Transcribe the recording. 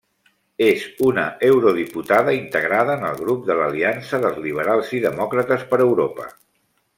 És una eurodiputada integrada en el grup de l'Aliança dels Liberals i Demòcrates per Europa.